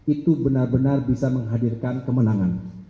itu benar benar bisa menghadirkan kemenangan